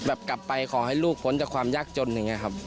กลับไปขอให้ลูกพ้นจากความยากจนอย่างนี้ครับ